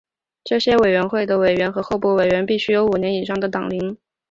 这些委员会的委员和候补委员必须有五年以上的党龄。